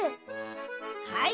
はい。